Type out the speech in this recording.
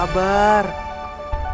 sabar deh fon sabar